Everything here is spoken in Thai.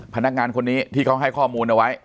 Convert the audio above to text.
พนักงานคนนี้ที่เขาให้ข้อมูลเอาไว้